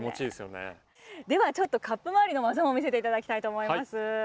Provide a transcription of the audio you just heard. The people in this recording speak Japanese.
では、カップ周りの技も見せていただきたいと思います。